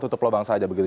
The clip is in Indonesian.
tutup lubang saja begitu